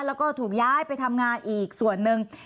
แล้วก็ถูกย้ายไปทำงานอีกส่วนหนึ่ง